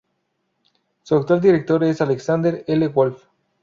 Su actual director es Alexander L. Wolf.